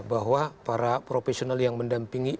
bahwa para profesional yang mendampingi